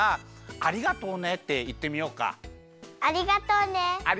ありがとうね。